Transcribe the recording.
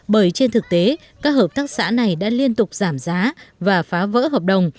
bởi trên thực tế các hợp tác xã này đã liên tục giảm giá và phá vỡ hợp đồng